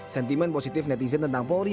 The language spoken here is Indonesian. sentimen positif netizen tentang polri